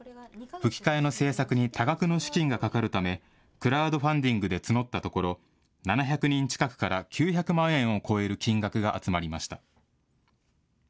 吹き替えの製作に多額の資金がかかるため、クラウドファンディングで募ったところ、７００人近くから９００万円を超える金額が集まりました。